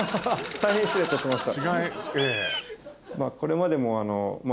大変失礼いたしました。